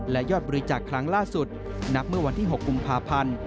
และยอดบริจาคครั้งล่าสุดนับเมื่อวันที่๖กุมภาพันธ์